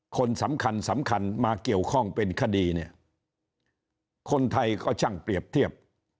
คนสำคัญสำคัญมาเกี่ยวข้องเป็นคดีเนี่ยคนไทยก็ช่างเปรียบเทียบ